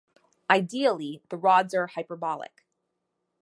Ideally, the rods are hyperbolic.